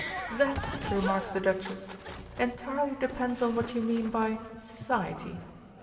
"That," remarked the Duchess, "entirely depends on what you mean by 'Society.'